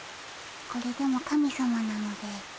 これでも神さまなので。